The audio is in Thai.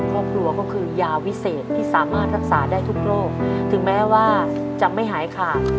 ครอบครัวก็คือยาวิเศษที่สามารถรักษาได้ทุกโรคถึงแม้ว่าจะไม่หายขาด